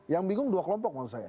yang bingung dua kelompok maksud saya